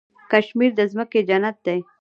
کشمیر د ځمکې جنت دی.